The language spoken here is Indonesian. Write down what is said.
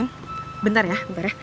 yun bentar ya